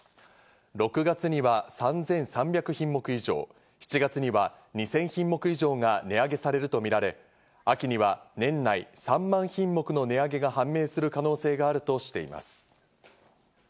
６月には３３００品目以上、７月には２０００品目以上が値上げされるとみられ、秋には年内３万品目の値上げが判明する可能性があるとしています。